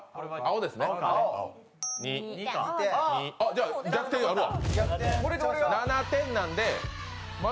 じゃあ、逆転あるわ。